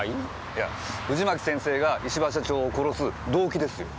いや藤巻先生が石場社長を殺す動機ですよ。